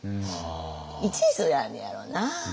いちずやんねやろな。